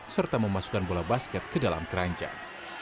serta memasukkan bola basket ke dalam keranjang